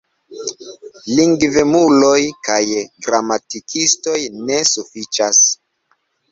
Lingvemuloj kaj gramatikistoj ne sufiĉas.